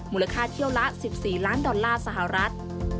เที่ยวละ๑๔ล้านดอลลาร์สหรัฐ